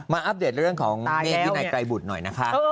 อัปเดตเรื่องของเมฆวินัยไกรบุตรหน่อยนะคะ